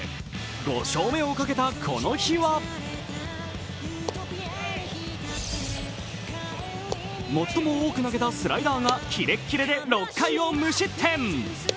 ５勝目をかけたこの日は最も多く投げたスライダーがキレッキレで６回を無失点。